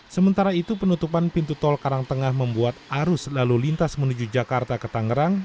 sementara itu penutupan pintu tol karangtengah membuat arus lalu lintas menuju jakarta ke tangerang